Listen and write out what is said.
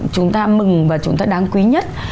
chúng ta mừng và chúng ta đáng quý nhất